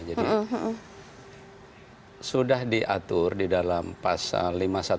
jadi sudah diatur di dalam pasal lima ratus delapan belas